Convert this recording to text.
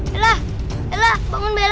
bella bella bangun bella